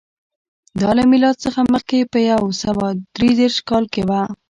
دا له میلاد څخه مخکې په یو سوه درې دېرش کال کې و